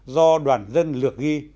do đoàn dân lược ghi